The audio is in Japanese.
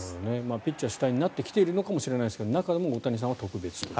ピッチャー主体になってきているのかもしれないけど中でも大谷さんは特別と。